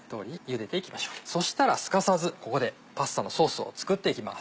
そしたらすかさずここでパスタのソースを作って行きます。